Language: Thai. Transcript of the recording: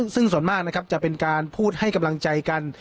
ซึ่งส่วนมากนะครับจะเป็นการพูดให้กำลังใจกัน